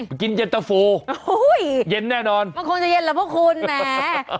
กินเย็นตะโฟเย็นแน่นอนมันคงจะเย็นเหรอเพราะคุณแหม